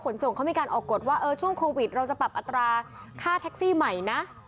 ส่งเขามีการออกกฎว่าช่วงโควิดเราจะปรับอัตราค่าแท็กซี่ใหม่นะ